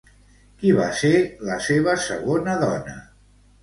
Qui va ser la seva segona dona?